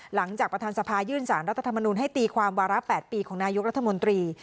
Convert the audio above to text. หลังจากประธานสภายื่นสารรัฐธรรมนุนให้ตีความวาระ๘ปีของนายกรัฐมนตรี